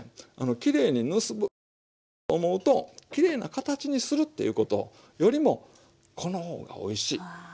きれいに結ぼうと思うときれいな形にするっていうことよりもこの方がおいしい。